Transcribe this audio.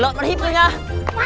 thằng mặt lợn nó hiếp kia nha